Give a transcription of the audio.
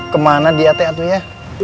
ke mana dia ate atuya